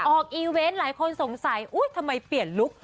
ออกอีเว้นท์หลายคนสงสัยอุ๊ยทำไมเปลี่ยนลุคผมยาว